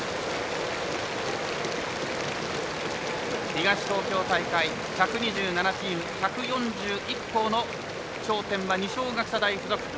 東東京大会１２７チーム１４１校の頂点は二松学舎大付属。